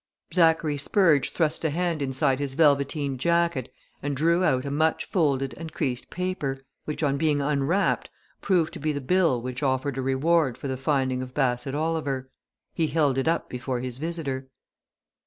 Zachary Spurge thrust a hand inside his velveteen jacket and drew out a much folded and creased paper, which, on being unwrapped, proved to be the bill which offered a reward for the finding of Bassett Oliver. He held it up before his visitor.